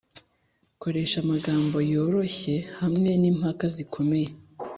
koresha amagambo yoroshye hamwe nimpaka zikomeye